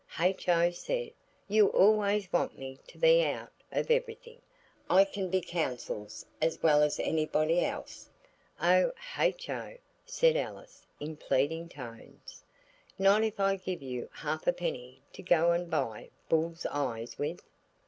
H.O. said: "You always want me to be out of everything. I can be councils as well as anybody else." "Oh, H.O.!" said Alice, in pleading tones, "not if I give you a halfpenny to go and buy bulls eyes with?"